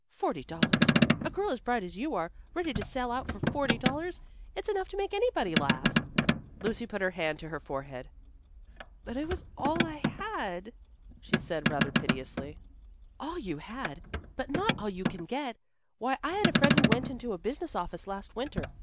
Forty dollars! A girl as bright as you are, ready to sell out for forty dollars. It's enough to make anybody laugh." Lucy put her hand to her forehead. "But it was all I had," she said rather piteously. "All you had. But not all you can get. Why, I had a friend who went into a business office last winter.